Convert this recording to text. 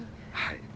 はい。